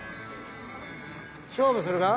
勝負するか？